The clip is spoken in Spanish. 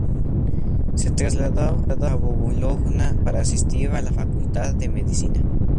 Se trasladó a Bologna para asistir a la facultad de Medicina.